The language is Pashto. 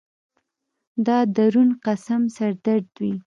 دا درون قسم سر درد وي